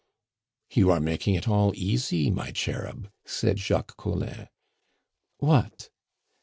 "You are making it all easy, my cherub!" said Jacques Collin. "What?"